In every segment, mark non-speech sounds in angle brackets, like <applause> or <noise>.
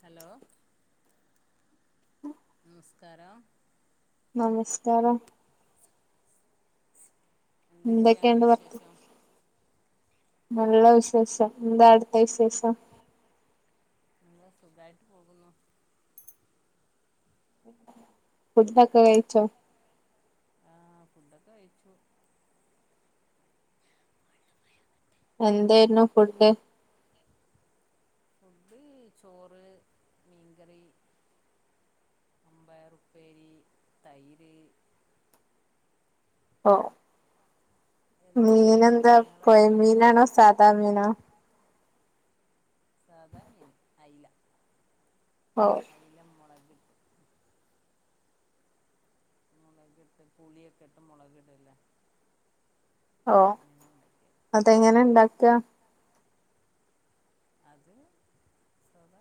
Hello നമസ്കാരം നമസ്കാരം എന്തൊക്കെയാണ് എന്തൊക്കെയണ്ട് പററത്ത് വിശേഷം നല്ല വിശേഷം എന്താ അടുത്ത വിശേഷം നിങ്ങള്ൾ സുഖായിട്ട് പോകുന്നു ഫുഡൊക്കെ കഴിച്ചോ ആഹ ഫുഡൊക്കെ കഴിച്ചു എന്തായിരുന്നു ഫുഡ് ഫുഡ് ചോറ് മീൻകറി അമ്പം ഉുപ്പേരി തൈര് ആഹ എന്താണ് മീന എന്താ നിങ്ങളെ പോയ ഫുഡൊക്കെ മീനാണോ സാധാ മീനോ സാദാമ്യന അയില്ല ഓ അയല മുളക് മുളകിട്ട് പുളിയൊക്കെ ഇട്ട് മുളകിട്ടല്ലേ ഓ അതെങ്ങനെ ഇണ്ടാക്ക അത് സഖ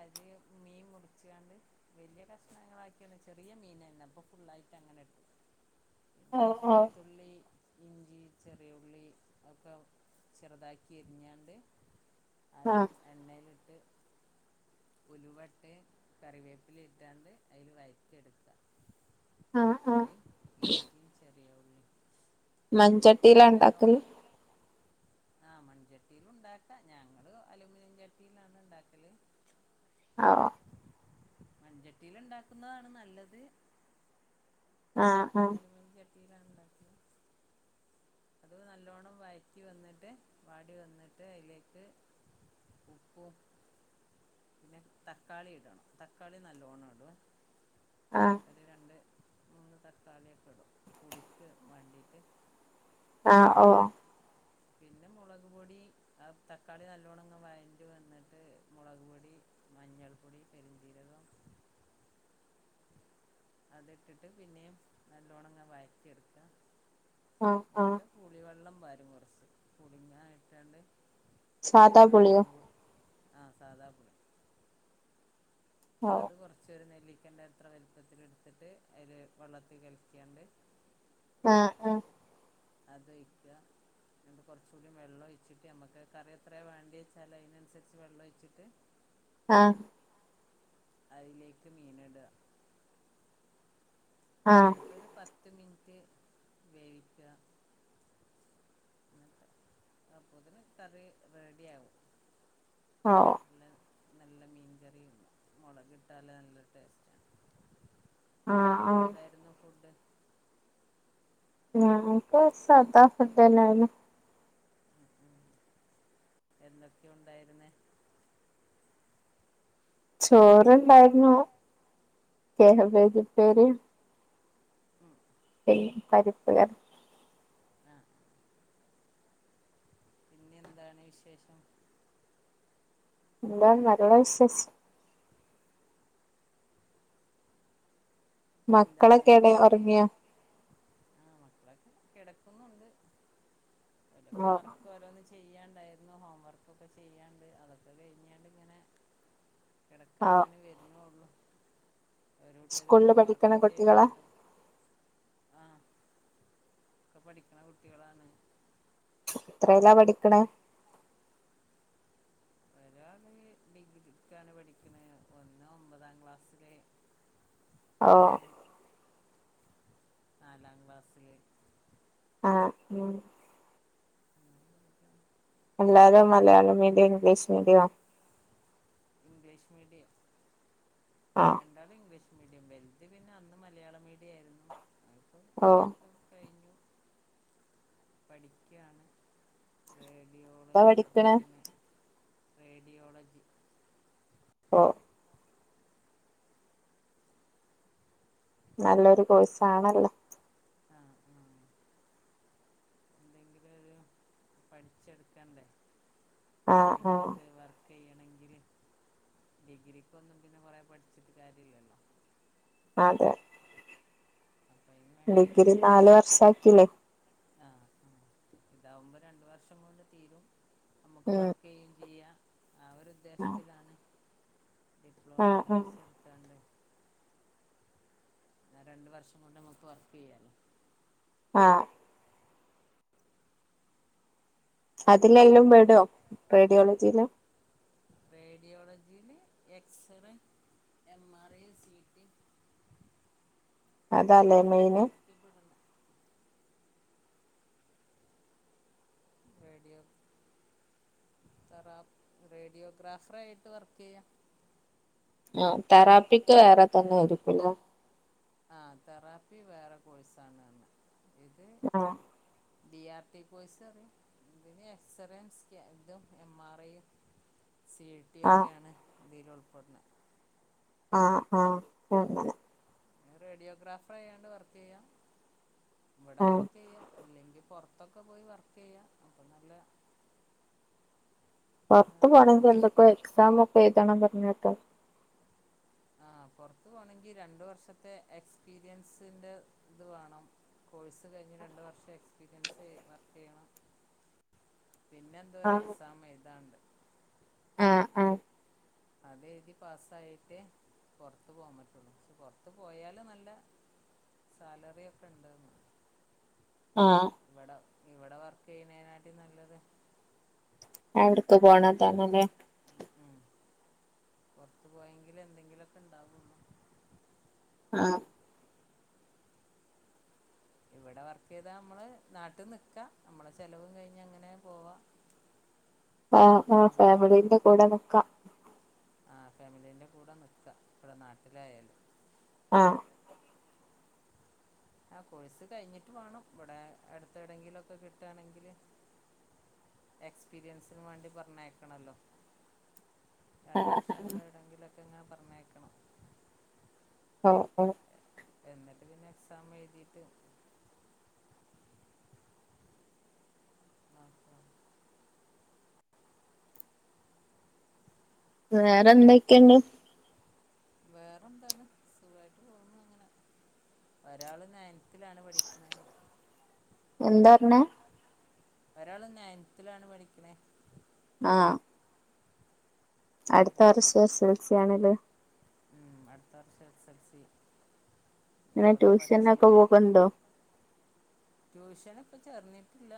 അര് മീൻ മുറിച്ചുകാണ്ട് വലിയ കഷ്ണങ്ങളാക്കിയ ചെറിയ മീന തന്നെ അപ്പൊ ഫുുള്ളായിട്ട് അങ്ങനെ ഇട്ടു ഓ പിന്നെ ഓ വെളുത്തുള്ളി ഇഞ്ചി ചെറിയള്ളി ഒക്കെ ചെറുതാക്കി എരിഞ്ഞാണ്ട് ആഹ് ആദ്യം എണ്ണൽിട്ട് ഉലുവട്ട് കറിവേപ്പില ഇറ്റാണ്ട് അതിൽ വയറ്റെടുക്ക ആഹ് ആഹ് വെളുത്തുള്ളി ഇഞ്ചും ചർ മൺചട്ടില്ല ഉണ്ടാക്കല് ആഹ മൺചട്ടിയില ഉണ്ടാക്ക ഞങ്ങള് അലൂമിനിയം ചട്ടിയിലാണ് ഉണ്ടാക്കല് ആഹ മഞ്ചട്ടിൽ ഉണ്ടാക്കുന്നതാണ് നല്ലത് ആഹ ആഹ എത്തിരാം ല അത് നല്ലോണ്ണം വഴറ്റി വന്നിട്ട് വാടി വന്നിട്ട് അതിലേക്ക് ഉപ്പും പിന്നെ തക്കാളി ഇടണം തക്കാളി നല്ലോണം ഇടുവ ആഹ് അത് രണ്ട് മൂന്ന് തക്കാളിയൊക്കെ ഇടും പുളിക്ക് വേണ്ടീട്ട് ആ ഓ പിന്നെ മുളക് പൊടി ആ തക്കാളി നല്ലോണങ്ങ് വയറ്റി വന്നിട്ട് മുളക് പൊടി മഞ്ഞൾ പൊടി പെരും ജീരകം അത് ഇട്ടിട്ട് പിന്നെയും നല്ലോണങ്ങ് വയറ്റി എടുക്കാ ആഹ് ആഹ് എന്നിട്ട് പുളിവെള്ളം <inaudible> <inaudible> സാധാ ആ പുളിയോ വെള്ളം കൂ ആ സാധാപുളി ഓ അത് കൊറച്ചൊരു നെല്ലി ക്കന്റെ അത്ര വലുപ്പത്തിൽ എടുത്തിട്ട് അതില് വെള്ളത്തീ കലിക്കാണ്ട് ആ ആ അതൊഴിക്കുക <inaudible> കൊറച്ച് കൂടി വെള്ളം ഒഴിച്ചിട്ട് നമ്മക്ക് കറി എത്രയാ <unintelligible> വെച്ചാല് അതിനനുസരിച്ച് വെള്ളം ഒഴിച്ചിട്ട് ആ അതിലേക്ക് മീൻ ഇടുക ആഹ് എന്നിട്ടൊരു പത്ത് മിനിറ്റ് വേവിക്കുക <inaudible> അപ്പത്തേക്കും കറി റെഡിയാവും ആ നല്ല നല്ല മീൻകറിയുണ്ട് മൊളകിട്ടാല് നല്ല ടേസ്റ്റാണ് ആഹ് നിങ്ങൾക്ക് ആഹ് എന്തായിരുന്നു ഫുഡ് ഞങ്ങൾക്ക് സാധാ ഫുഡ് തന്നെയാണ് എന്തൊക്കെയാ ഉണ്ടായിരുന്നേ ചോറുണ്ടായിരുന്നു കാബേജുപ്പേരീ <unintelligible> പരിപ്പുകറി ആ പിന്നെ എന്താണ് വിശേഷം എന്താ നല്ല വിശേഷം എന്താണ് മക്കളൊക്കെവിടാ ഉറങ്ങിയാ <unintelligible> കിടക്കുന്നുണ്ട് <inaudible> ഓ വർക്ക് <unintelligible> ചെയ്യാണ്ടായിരുന്നു ഹോംവർക്കൊക്കെ ചെയ്യാണ്ട് അതൊക്കെ കഴിഞ്ഞോണ്ട് ഇങ്ങനെ ആഹ് <unintelligible> ഇപ്പോഴും പഠിക്കണ വർക്ക് കുട്ടികളാ ചെയ്തോണ്ട് ആ ഒക്കെ പഠിക്കണ കുട്ടികളാണ് എത്രേല്ലാ പഠിക്കണേ ഒരാള് ഡിഗ്രിക്കാണ് പഠിക്കുന്നത് ഒന്ന് ഒമ്പതാം ക്ലാസ്സില് ഓ ഒന്ന് നാലാം ക്ലാസ്സില് ആ ഉം എല്ലാരും Malayalam medium English media English medium ആ രണ്ടാളും ഇംഗ്ലീഷ് മീഡിയം വലുതി പിന്നെ അന്ന് മലയാള മീഡിയം ആയിരുന്നു ഓ കഴിഞ്ഞു പഠിക്കയാണ് അത് എന്താ പഠിക്കണ റേഡിയോളജി ഓ നല്ലൊരു കോഴ്സാണല്ലോ ആഹ് ആഹ് പഠിച്ചെടുക്കാണ്ടേ ആ ആ ചെയ്യണങ്കില് ഡിഗ്രിക്ക് ഒന്നും പിന്നെ കൊറെ പഠിച്ചിട്ട് കാര്യാലല്ലോ അതെ അപ്പൊ അയിന് ഡിഗ്രി നാല് വർഷ ആക്കില്ലേ ആ ഇതാവുമ്പോ രണ്ടു വർഷം കൊണ്ട് തീരും നമുക്ക് ഉം വർക്ക് ചെയ്യയും ചെയ്യാം ആ ഒരു ഉദ്ദേശത്തിലാണ് ആ ഡിപ്ലോമ ആ കോഴ്സ് എടുത്തണ്ട് ആ രണ്ട് വർഷം കൊണ്ട് നമുക്ക് വർക്ക് ചെയ്യാലോ ആ അതിലെല്ലാം വിടോ റേഡിയോളജിയില് റേഡിയോളജിയില് x-ray M R I C T അനു ഇതല്ലേ മെയിന്ന് റേഡിയോ തറ റേഡിയോഗ്രാഫർ ആയിട്ട് വർക്ക് ചെയ്യാം ആ തെറാപ്പിക്ക് വേറെ തന്നെ ഒരുക്കുലോ ആ തെറാപ്പി വേറെ കോഴ്സാണ്ന്ന് ആ ഡി ആർ ടി കൊയ്സ് അറിയ ഇതിന്ന് എക്സ്റൻ സ് ഇതും എം ആർ ഐയും സി ടി ആഹ് ഒക്കെയാണ് ഇതിലു പൊന്ന് ആ ആഹ് എന്നല്ലെ റേഡിയോഗ്രാഫർയാണ്ട് വർക്ക് ചെയ്യാം ഇവിടെ ആഹ് വർക്ക് ചെയ്യ ഇല്ലെങ്കിൽ പുറത്ത് പുറാത്തൊക്കെ പോയി വർക്ക് ചെയ്യാം അപ്പം നല്ല പുറത്ത് ഇതാണെന്ന് പോകണമെങ്കിൽ പറഞ്ഞു എന്തൊക്കെ എക്സം ഒക്കെ എഴുതണം പറഞ്ഞു കേട്ടു ആ പുൊറത്തു പോണമെങ്കി രണ്ടു വർഷത്തെ എക്സ്പീരിയൻസിന്റെ ഇത് വേണം കോഴ്സ് കഴിഞ്ഞ് രണ്ടു വർഷം എക്സ്പീരിയൻസ് വർക്ക് ചെയ്യണം പിന്നെ എന്തോ ഒരു എക്സാം എഴുതാണ്ട് ആഹ ആഹ അത്െഴുതി പാസ്സായിട്ടേ പറത്ത പോകാൻ പറ്റുള്ളു പക്ഷ പൊറത്ത പോയല് നല്ല സാലറി ഒക്കെ ഇണ്ട്ന്ന് ആഹ ഇവിടെ വർക്ക് ചെയ്യുന്നേനാട്ടിൽ നല്ലത് വിടുക്ക പോണ തന്നല്ലേ പുറത്തു പോയെങ്കില് എന്തെങ്കിലുംൊക്കെ ഇണ്ടാവുന്നുോ ആഹ ഇവിടെ വർക്ക് ചെയ്താ നമ്മള് നാട്ടിൽ നിക്കാ നമ്മള ചെലവും കഴിഞ്ഞഞ് അങ്ങനെ പോവാ ആഹ് ആഹ് അങ്ങനെയൊക്കെ ഫാമിലിന്റെ കൂടെ നിക്കാം ആ ഫാമിലീൻ്റെ കൂടെ നിൽക്കുക ഇവിടെ നാട്ടിലായാലും ആഹ ആ കോഴ്സ് കഴിഞ്ഞിട്ട് വേണം ഇവിടെ അടുത്തെ എടെങ്കിലൊക്കെ കിട്ടയാണെങ്കില് എക്സ്പീരിയൻസിന് വേണ്ടി പറഞ്ഞേക്കണല്ലോ രണ്ട ആഹ് വർഷം കൂടെ ഇവിടെമെങ്കില ക്കങ്ങെ പറഞ്ഞേക്കണം ഓ എന്നിട്ട് പിന്നെ എക്സാം എഴുതിട്ട് നോക്കണം വേറെ എന്തൊക്കെയണ്ട് വേറെന്താണ് സുഖായിട്ട് പോോന്നുന്നു അങ്ങനെ ഒരാള് നയനത്തിലാണ് പഠിക്കുന്ന എന്താ പറഞ്ഞ ഒരാള് നയൻത്തിലൽാണ് പഠിക്കണേ ആഹ് അടുത്ത ഓലെ അങ്ങനെ. വറശ ശൽസ ആണല്ല ഉം അടുത്ത വർഷം എസ് എൽ സി ഇങ്ങെ ഇപ്പോഴെ പഠിച്ച ട്യൂഷനൊക്കെ പോക്കന്തോ ഇപ്പൊ ചേർന്നിട്ടില്ല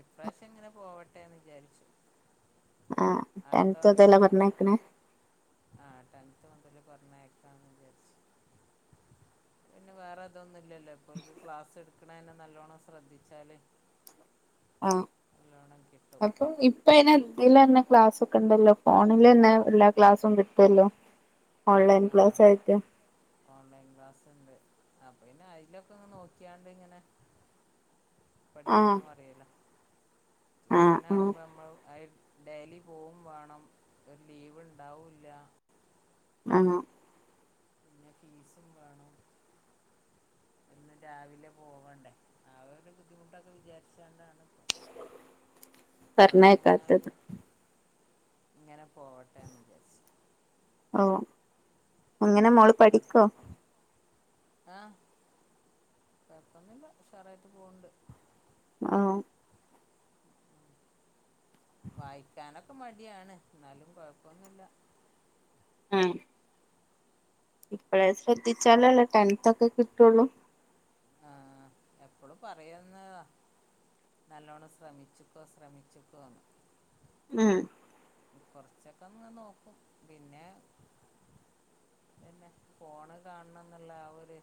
ഇപ്രാവശ്യം എങ്ങനെ പോവട്ടെന്ന് വിചാരിച്ചു ആഹ അടുത്ത ടെതല്ല വർഷം അങ്ങനെ പറഞ്ഞക്കനെ പറഞ്ഞേക്കാന്ന് വിചാരിച്ച പിന്നെ വേറെ അതൊന്നുംല്ലല്ലോ ഇപ്പോക്ക് ക്ലാസ് എടുക്കണെ നല്ലോണ്ണം ശ്രദ്ധിച്ചാല് ആഹ അപ്പൊ ഇപ്പ അനെ ഇൽന്നെ ക്ലാസ്സ ഒക്കെ ഉണ്ടല്ലോ ഫോണില്ന്നെ എല്ലാ ക്ലാസ്സും കിട്ടല്ലോ ആ ഓൺലൈൻ ആ ക്ലാസ് ആയിട്ട അപ്പ പിന്നെ അതിലൊക്കെങ് നോക്കിയാണ്ട് ഇങ്ങനെ ആഹ് പഠിക്കാൻ പറയില ആഹ് ട്യൂഷന ആഹ് ആകുമ്പോ നമ്മള് ഡെലി പോവും വേണം ഒരു ലീവ് ഉണ്ടാവില്ല ആഹ പിന്നെ ഫീസും വേണം ഒന്നും രാവിലെ പോവണ്ടേ അവടെ ബുദ്ധിമുട്ടൊക്കെ വിചാരിച്ചാണ്ടാണ് ഇപ്പൊ ഇപ്രാവശ്യം പറഞ്ഞയക്കാത്തത് എങ്ങനെയായാലും ഇങ്ങനെ പോവട്ടെ എന്ന് വിചാരിച്ചു ഓ എങ്ങനെ മോള് പഠിക്കോ ആഹ പപ്പന്നല്ല ഷറായിട്ട് പോവണ്ട് <unintelligible> ആഹ് വായിക്കാനൊക്കെ മടിയാണ് എന്നാലും കൊഴപ്പൊന്നുമില്ല ആ ഇപ്പഴേ ശ്രദ്ധിച്ചാലല്ലേ ടെൻത്തൊക്കെ കിട്ടുള്ളൂ ആഹ് എപ്പളും പറയുന്നതാ നല്ലോണം ശ്രമിച്ച്ക്കോ ശ്രമിച്ച്ക്കോന്ന് ആഹ് കൊറച്ചൊക്കെഒന്ന് നോക്കും പിന്നെ പിന്നെ ഫോണ് കാൺന്നൊള്ള ആ ഒര്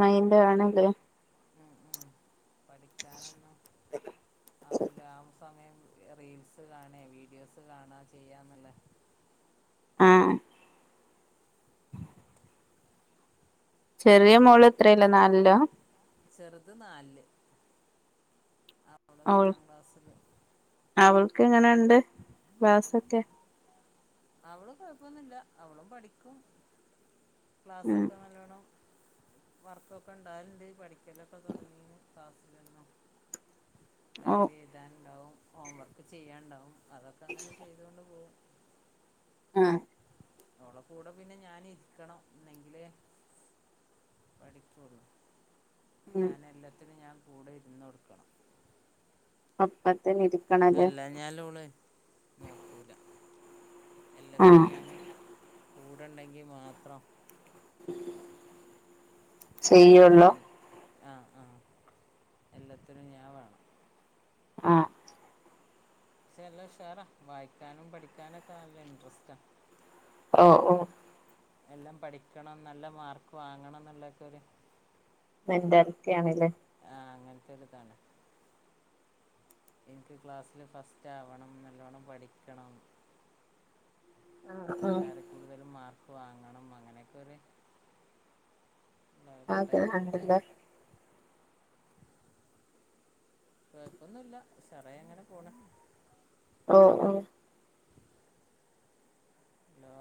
മൈൻഡ് കാണയില്ലേ ഉം ഉം പഠിക്കാനൊന്നും ആവൂല ആ സമയം റീൽസ് കാണേ വീഡിയോസ് കാണാ ചെയ്യാന്നല്ലേ ആഹ് ചെറിയ മോള് എത്രേലാ നാലിലോ ചെറുത് നാൽല് അവ്ള് നാലാം ക്ലാസ്സില് എങ്ങനോണ്ട് ക്ലാസ്സൊക്കെ അവള് കൊഴപ്പൊന്നൂല്ല അവളും പഠിക്കും ഉം ക്ലാസ്സൊക്കെ നല്ലോണം വർക്കൊക്കെ ഉണ്ടായേലേ പഠിക്കലൊക്കെ തൊടങ്ങി ക്ലാസ്സിലാ <unintelligible> ഓ ഡൈറി എയ്താണ്ടാവും <unintelligible> ഹോം വർക്ക് ചെയ്യാണ്ടാവും അതൊക്കെ അങ്ങനെ ചെയ്ത് കൊണ്ടു പോം ആ ഓൾടെ കൂടെ പിന്നെ ഞാനിരിക്കണം ന്നെങ്കില് പഠിക്കുവൊള്ളൂ ഉം ഞാനെല്ലത്തിനും ഞാ കൂടെ ഇരുന്നോടുക്കണം പപ്പത് <unintelligible> അല്ല ഞാൽലൂളെ നോക്കൂല എല്ലത്തിനും ആഹ് ഞാന് കൂടേണ്ടെങ്കി മാത്രം ചെയ്യൊള്ളോ ആഹ ആഹ എല്ലത്തിനും ഞാവേണം ആ ഷേല്ലാഷാറാ വായിക്കാനും പഠിക്കാനും ക്കെ അല്ലേൻട്രസ്റ്റാ ഓ ഓ എല്ലാം പഠിക്കണം നല്ല മാർക്ക് വാങ്ങണംന്നൊള്ളേക്കെ ഒരു എന്തൊക്ക ആണ് അല്ലേ ആഹ അങ്ങനത്തെ ഒര്താണ് <unintelligible> എനിക്ക് ക്ലാസ്സില് ഫസ്റ്റാവണം നല്ലോണ്ണം പഠിക്കണം ആ ആ എല്ലാരെക്കൂടുതലും മാർ വാങ്ങണം അങ്ങനെക്കൊര് ആക്കെ അണ്ട്ല്ല കൊഴപ്പൊന്നൂല്ല ഉശാറായങ്ങനെ പോണ്. ഓ ഓ ഹലോ